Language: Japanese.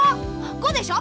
「ご」でしょ